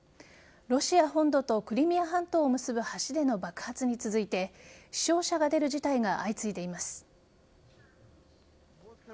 ロシア本土とクリミア半島を結ぶ橋での爆発に続いて死傷者が出る事態が相次いでいます。